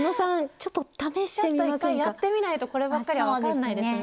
ちょっと一回やってみないとこればっかりは分かんないですね。